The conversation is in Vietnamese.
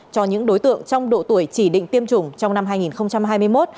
cho những đối tượng trong độ tuổi chỉ định tiêm chủng trong năm hai nghìn hai mươi một